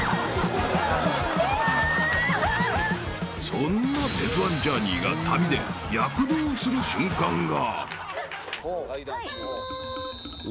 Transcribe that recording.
［そんな鉄腕ジャーニーが旅で躍動する瞬間が］